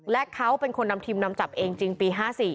และเขาเป็นคนนำทีมนำจับเองจริงปี๕๔